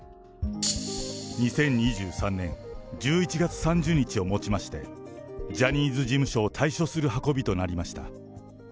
２０２３年１１月３０日をもちまして、ジャニーズ事務所を退所する運びとなりました。